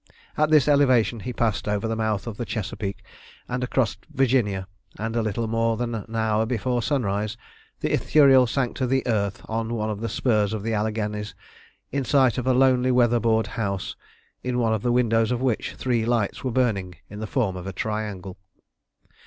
At this elevation he passed over the mouth of the Chesapeake, and across Virginia; and a little more than an hour before sunrise the Ithuriel sank to the earth on one of the spurs of the Alleghanies, in sight of a lonely weather board house, in one of the windows of which three lights were burning in the form of a triangle.